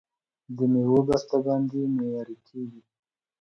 د میوو بسته بندي معیاري کیږي.